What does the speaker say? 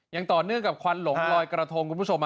ยังต่อเนื่องกับควันหลงลอยกระทงคุณผู้ชม